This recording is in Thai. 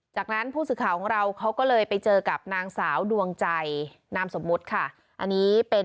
จากนั้นผู้สื่อข่าวของเราเขาก็เลยไปเจอกับนางสาวดวงใจนามสมมุติค่ะอันนี้เป็น